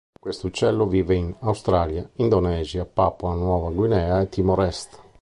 Questo uccello vive in Australia, Indonesia, Papua Nuova Guinea e Timor Est.